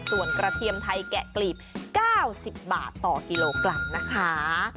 ส่วนกระเทียมไทยแกะกลีบ๙๐บาทต่อกิโลกรัมนะคะ